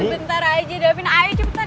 iya sebentar aja davin ayo cepetan